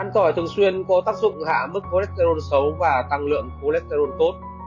ăn tỏi thường xuyên có tác dụng hạ mức cholesterol xấu và tăng lượng cholesterol tốt